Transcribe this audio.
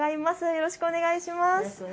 よろしくお願いします。